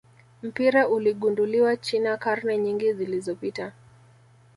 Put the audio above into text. mpira uligunduliwa China karne nyingi zilizopita